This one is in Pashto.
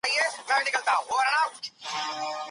ولې کورني شرکتونه کیمیاوي سره له هند څخه واردوي؟